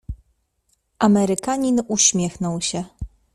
"Amerykanin uśmiechnął się."